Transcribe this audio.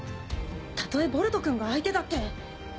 たとえボルトくんが相手だって。